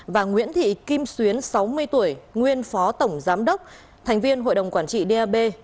và nguyễn thị kim xuyến sáu mươi tuổi nguyên phó tổng giám đốc thành viên hội đồng quản trị dap